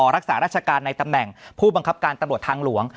รักษาราชการในตำแหน่งผู้บังคับการตำรวจทางหลวง